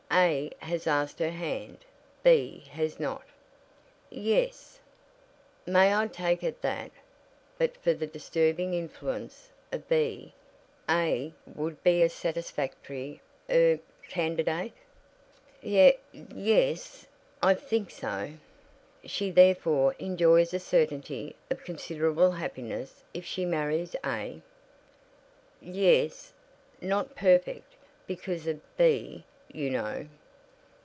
A has asked her hand, B has not." "Yes." "May I take it that, but for the disturbing influence of B, A would be a satisfactory er candidate?" "Ye es; I think so." "She therefore enjoys a certainty of considerable happiness if she marries A?" "Ye es; not perfect, because of B, you know."